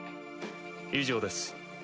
以上です。